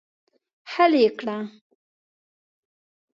حل یې کړه.